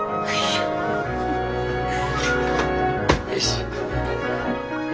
よし。